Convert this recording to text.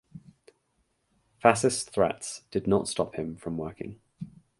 Fascist threats did not stop him from working.